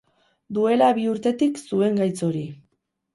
Duela bi urtetik zuen gaitz hori.